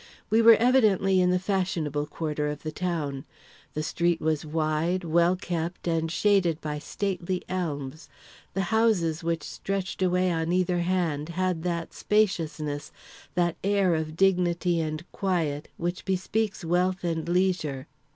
We were evidently in the fashionable quarter of the town. The street was wide, well kept, and shaded by stately elms. The houses which stretched away on either hand had that spaciousness, that air of dignity and quiet, which bespeaks wealth and leisure.